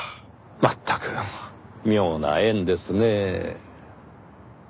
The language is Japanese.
まったく妙な縁ですねぇ。